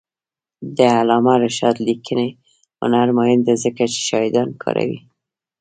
د علامه رشاد لیکنی هنر مهم دی ځکه چې شاهدان کاروي.